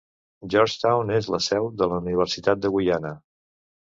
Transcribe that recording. Georgetown és la seu de la Universitat de Guyana.